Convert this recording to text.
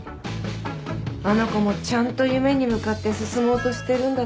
あの子もちゃんと夢に向かって進もうとしてるんだと思うと。